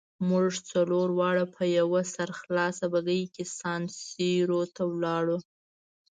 موږ څلور واړه په یوه سرخلاصه بګۍ کې سان سیرو ته ولاړو.